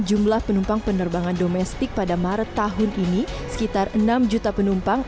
jumlah penumpang penerbangan domestik pada maret tahun ini sekitar enam juta penumpang